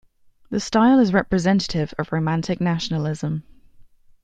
The style is representative of romantic nationalism.